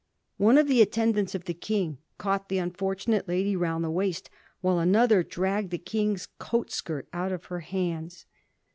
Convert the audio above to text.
One of the attendants of the King caught the unfortunate lady round the waist, while another dragged the King's coat skirt out of her hands.